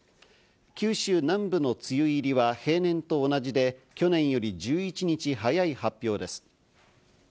九州南部の梅雨入りは平年と同じで、去年より１１日早い発表です。